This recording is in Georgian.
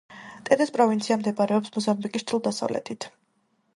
ტეტეს პროვინცია მდებარეობს მოზამბიკის ჩრდილო-დასავლეთით.